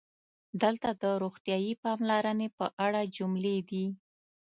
دلته د "روغتیايي پاملرنې" په اړه جملې دي: